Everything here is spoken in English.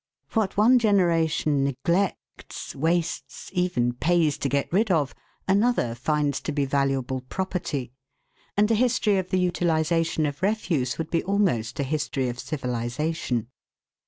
WHAT one generation neglects, wastes, even pays to get rid of, another finds to be valuable property ; and a history of the utilisation of refuse would almost be a history of civilisation.